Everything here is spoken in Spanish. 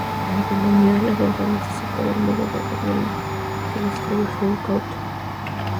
La economía de la deuda necesita del modo de gobierno que describe Foucault.